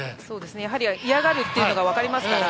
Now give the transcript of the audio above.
やはり嫌がるというのが分かりますから。